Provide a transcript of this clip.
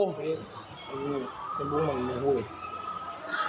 ไม่ได้สั่งเลยครับ